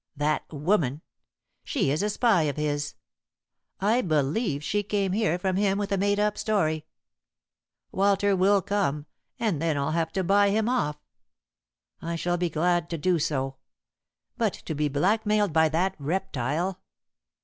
That woman. She is a spy of his. I believe she came here from him with a made up story. Walter will come, and then I'll have to buy him off. I shall be glad to do so. But to be blackmailed by that reptile.